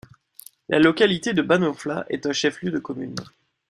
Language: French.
La localité de Bannonfla est un chef-lieu de commune.